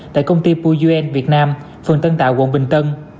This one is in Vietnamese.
tại công ty puyen việt nam phường tân tạo quận bình tân